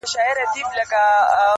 د سمون لپاره درس ورڅخه واخلو